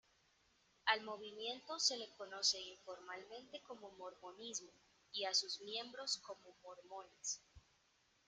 Al movimiento se le conoce informalmente como mormonismo, y a sus miembros como mormones.